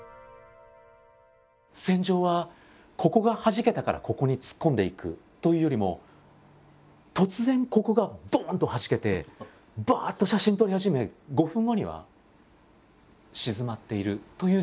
戦場はここがはじけたからここに突っ込んでいくというよりも突然ここがどんとはじけてばっと写真撮り始め５分後には静まっているという状況がほとんどなんです。